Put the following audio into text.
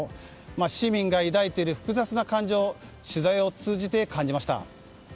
市民が抱いている複雑な感情を取材を通じて感じました。